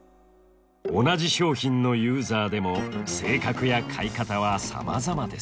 同じ商品のユーザーでも性格や買い方はさまざまですよね。